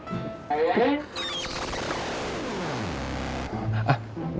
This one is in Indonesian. saya terima kamu apa adanya